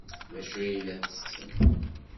D acu ay la ttessen?